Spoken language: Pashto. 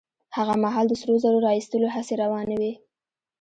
هغه مهال د سرو زرو را ايستلو هڅې روانې وې.